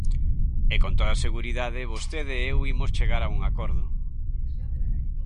E con toda seguridade vostede e eu imos chegar a un acordo.